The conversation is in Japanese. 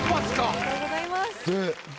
おめでとうございます。